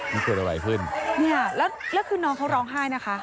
มันเกิดอะไรขึ้นเนี่ยแล้วแล้วคือน้องเขาร้องไห้นะคะ